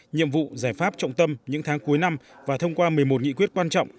nhiệm vụ giải pháp trọng tâm những tháng cuối năm và thông qua một mươi một nghị quyết quan trọng